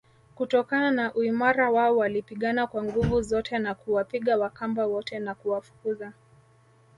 kutokana na uimara wao walipigana kwa nguvu zote na kuwapiga Wakamba wote na kuwafukuza